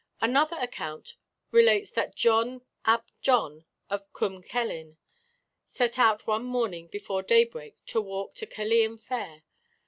Another account relates that John ap John, of Cwm Celyn, set out one morning before daybreak to walk to Caerleon Fair.